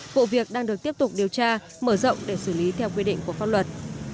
vụ việc đang được tiếp tục điều tra mở rộng để xử lý theo quy định của pháp luật